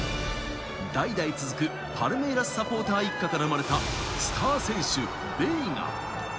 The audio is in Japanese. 代々続くパルメイラスサポーターの一家から生まれたスター選手、ベイガ。